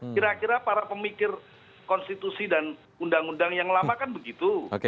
kira kira para pemikir konstitusi dan undang undang yang lama kan begitu